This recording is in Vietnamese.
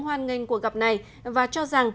hoan nghênh cuộc gặp này và cho rằng